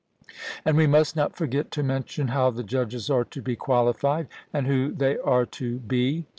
And we must not forget to mention how the judges are to be qualified, and who they are to be.